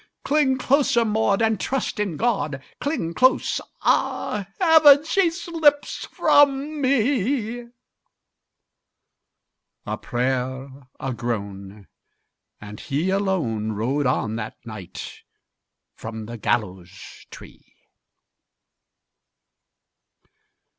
"Cling closer, Maud, and trust in God! Cling close! Ah, heaven, she slips from me!" A prayer, a groan, and he alone Rode on that night from the gallows tree.